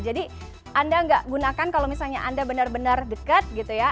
jadi anda enggak gunakan kalau misalnya anda benar benar dekat gitu ya